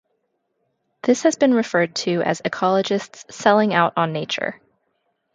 This has been referred to as ecologists 'selling out on Nature'.